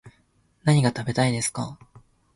何が食べたいですか